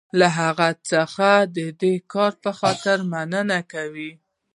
له هغه څخه د دې کار په خاطر مننه کوم.